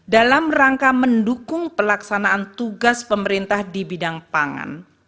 dalam rangka mendukung pelaksanaan tugas pemerintah di bidang pangan